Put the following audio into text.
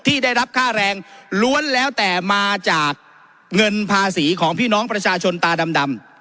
ที่ได้รับค่าแรงล้วนแล้วแต่มาจากเงินภาษีของพี่น้องประชาชนตาดำ